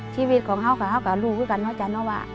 ชีวิตของข้าวกับลูกคือกับน้องจันทร์